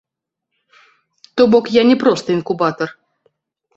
То бок я не проста інкубатар.